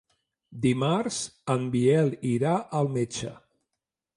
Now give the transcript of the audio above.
Dimarts en Biel irà al metge.